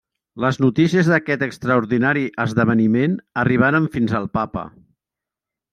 Les notícies d'aquest extraordinari esdeveniment arribaren fins al Papa.